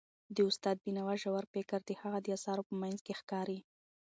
د استاد بینوا ژور فکر د هغه د اثارو په منځ کې ښکاري.